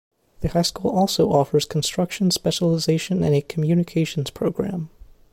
The high school also offers a construction specialization and a communications programme.